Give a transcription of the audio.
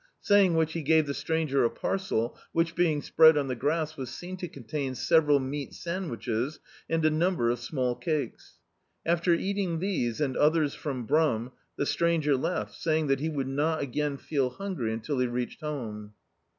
Saying which he gave the stranger a parcel which, being spread on the grass, was seen to contain several meat sand wiches and a number of small cakes. After eating these, and others from Bnim, the stranger left, say ing that he would not again feel hungry imtil he reached home.